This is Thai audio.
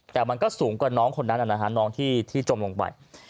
แต่มันก็สูงกว่าน้องคนนั้นนะฮะน้องที่จมลงไป